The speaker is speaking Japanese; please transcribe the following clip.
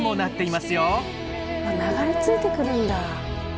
流れ着いてくるんだ。